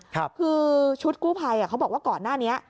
คือชุดกู้ภัยเขาบอกว่าก่อนหน้านี้